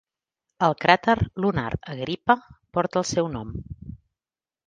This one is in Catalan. El cràter lunar Agrippa porta el seu nom.